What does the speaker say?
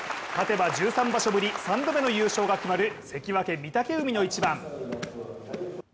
勝てば１３場所ぶり３度目の優勝が決まる関脇・御嶽海の一番。